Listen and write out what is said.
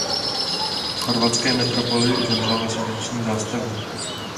V chorvatské metropoli zemřel na srdeční zástavu.